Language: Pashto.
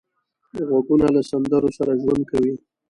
غوږونه له سندرو سره ژوند کوي